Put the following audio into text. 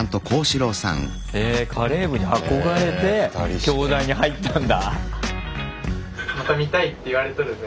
へぇカレー部に憧れて京大に入ったんだ！